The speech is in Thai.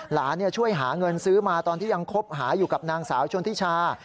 หลานช่วยหาเงินซื้อมาตอนที่ยังคบหาอยู่กับนางสาวชนทิชา